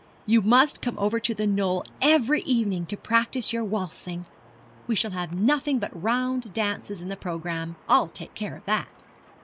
You must come over to The Knoll every evening to practise your waltzing. We shall have nothing but round dances in the programme. I'll take care of that!'